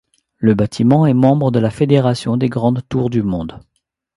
Le bâtiment est membre de la Fédération des grandes tours du monde.